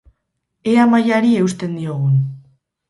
Ea mailari eusten diogun.